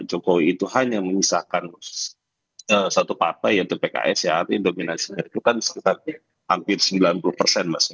jokowi itu hanya mengisahkan satu partai yang terpks ya arti dominasi itu kan sebesarnya hampir sembilan puluh